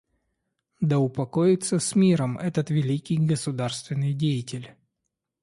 Да упокоится с миром этот великий государственный деятель.